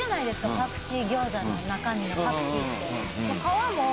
パクチー餃子のパクチーって。